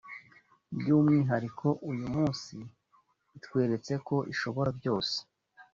by’umwihariko uyu munsi itweretse ko ishobora byose